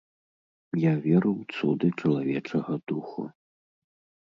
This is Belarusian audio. Я веру ў цуды чалавечага духу.